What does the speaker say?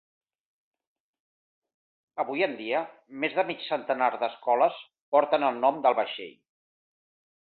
Avui en dia més de mig centenar d'escoles porten el nom del vaixell.